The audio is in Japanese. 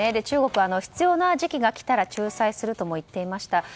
中国は必要な時期が来たら仲裁するとも言っていました。